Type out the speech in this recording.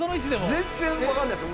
全然分かんないですよ。